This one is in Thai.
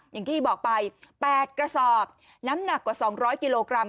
อย่างที่บอกไป๘กระสอบน้ำหนักกว่า๒๐๐กิโลกรัม